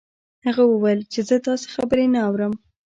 هغه وویل چې زه داسې خبرې نه اورم